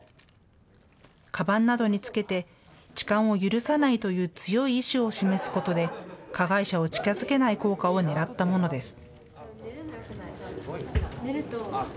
カバンなどにつけて痴漢を許さないという強い意思を示すことで加害者を近づけない効果をねらったものです。